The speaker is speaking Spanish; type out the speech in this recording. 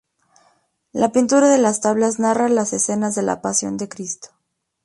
La pintura de las tablas narra las escenas de la Pasión de Cristo.